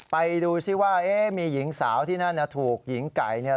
ไปดูซิว่ามีหญิงสาวที่นั่นถูกหญิงไก่เนี่ย